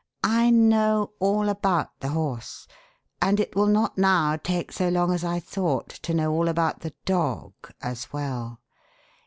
"I know all about the horse and it will not now take so long as I thought to know all about the 'dog' as well.